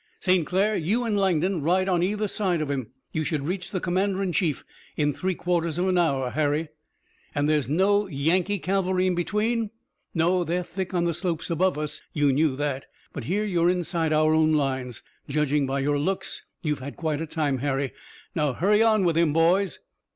St. Clair, you and Langdon ride on either side of him! You should reach the commander in chief in three quarters of an hour, Harry!" "And there is no Yankee cavalry in between?" "No, they're thick on the slopes above us! You knew that, but here you're inside our own lines. Judging by your looks you've had quite a time, Harry. Now hurry on with him, boys!"